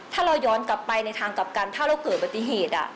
ถ้าเราย้อนกลับไปในทางกลับกันถ้าเราเกิดปฏิเหตุ